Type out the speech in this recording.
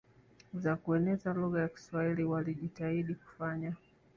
za kueneza lugha ya Kiswahili walijitahidi kufanya